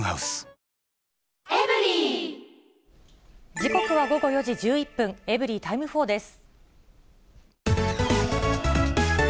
時刻は午後４時１１分、エブリィタイム４です。